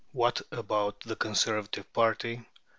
What about the Conservative party?